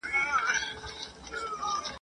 چي له چا سره قدرت وي زور اوشته وي ..